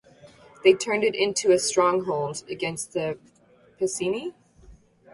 They turned it into a stronghold against the Piceni.